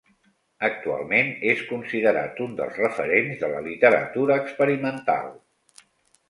Actualment és considerat un dels referents de la literatura experimental.